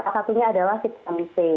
satunya adalah vitamin c